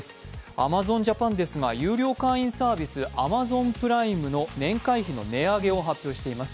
アマゾンジャパンですが、有料会員サービス、アマゾンプライムの年会費の値上げを発表しています。